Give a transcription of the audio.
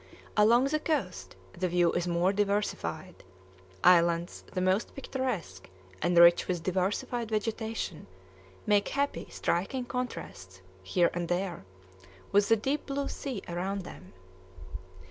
Along the coast the view is more diversified; islands, the most picturesque, and rich with diversified vegetation, make happy, striking contrasts, here and there, with the deep blue sea around them.